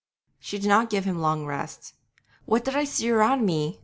She did not give him long rest. 'What did I see around me?'